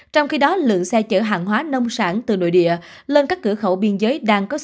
trong khi đó lượng xe chở hàng hóa nông sản từ nội địa lên các cửa khẩu biên giới